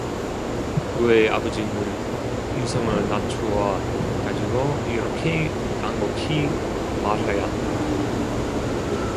그의 아버지는 음성을 낮추어 가지고 이렇게 간곡히 말하였다.